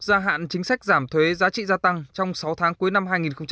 gia hạn chính sách giảm thuế giá trị gia tăng trong sáu tháng cuối năm hai nghìn hai mươi